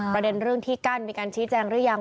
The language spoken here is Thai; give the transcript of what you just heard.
ประเด็นเรื่องที่กั้นมีการชี้แจงหรือยัง